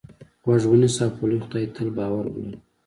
غوږ ونیسه او په لوی خدای تل باور ولره.